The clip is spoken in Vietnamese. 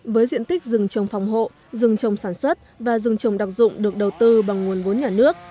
với diện tích rừng trồng phòng hộ rừng trồng sản xuất và rừng trồng đặc dụng được đầu tư bằng nguồn vốn nhà nước